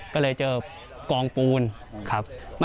ก็เลยเจอกองปูนครับ